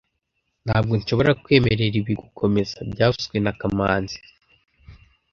Ntabwo nshobora kwemerera ibi gukomeza byavuzwe na kamanzi